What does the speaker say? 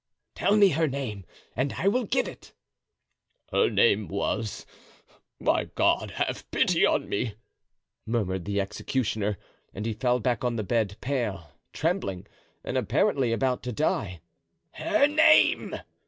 "Tell me her name and I will give it." "Her name was——My God, have pity on me!" murmured the executioner; and he fell back on the bed, pale, trembling, and apparently about to die. "Her name!"